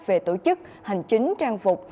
về tổ chức hành chính trang phục